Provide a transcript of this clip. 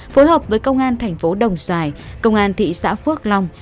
phối hợp với công an thành phố đồng xoài công an thị xã phước long